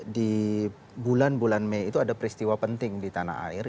di bulan bulan mei itu ada peristiwa penting di tanah air